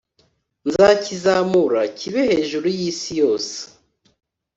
Nzakizamura kibe hejuru y’isi yose